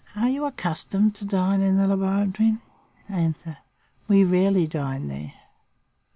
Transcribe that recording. Are you accustomed to dine in the laboratory? "A. We rarely dine there.